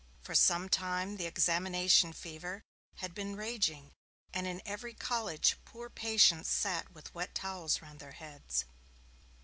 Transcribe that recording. For some time the examination fever had been raging, and in every college poor patients sat with wet towels round their heads.